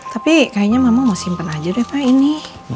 tapi kayaknya mama mau simpen aja deh pak ini